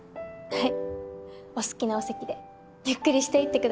はい。